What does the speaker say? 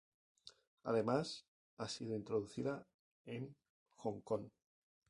Además, ha sido introducida en Hong Kong.